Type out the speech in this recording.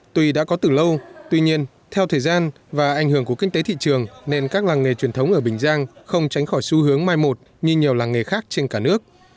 tuy đã có từ lâu tuy nhiên theo thời gian và ảnh hưởng của kinh tế thị trường nên các làng nghề truyền thống ở bình giang không tránh khỏi xu hướng mai một như nhiều làng nghề khác trên cả nước